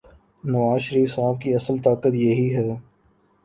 نوازشریف صاحب کی اصل طاقت یہی ہے۔